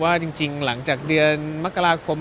จริงหลังจากเดือนมกราคม